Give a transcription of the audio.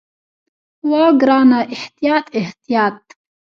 وه ګرانه احتياط احتياط.